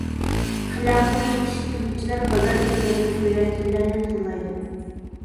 قەلەمپۇر يېتىشتۈرگۈچىلەر بازار ئېھتىياجىغا كۆرە تۈرلەرنى تاللايدۇ.